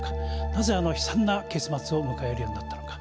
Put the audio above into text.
なぜあの悲惨な結末を迎えるようになったのか。